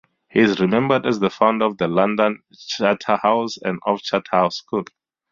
He is remembered as the founder of the London Charterhouse and of Charterhouse School.